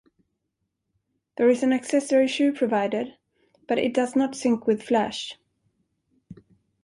There is an accessory shoe provided, but it does not sync with flash.